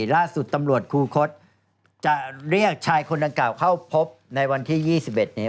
ล่าสุดตำรวจคูคศจะเรียกชายคนดังกล่าวเข้าพบในวันที่๒๑นี้